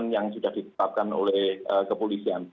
yang sudah ditetapkan oleh kepolisian